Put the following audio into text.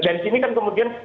dari sini kan kemudian